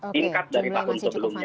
tingkat dari tahun sebelumnya